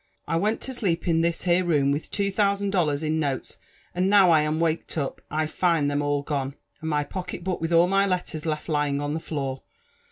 I wenl to sleep m this here room ^vith two thousand dollars iQ notes ; and now lam^ waked up> I find them all gone, and my pockelit book with all my letters left lying en the floor.